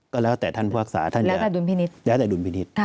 ก็แล้วแต่ท่านผู้ภาคศาท่านแล้วแต่ดุลพินิษฐ์แล้วแต่ดุลพินิษฐ์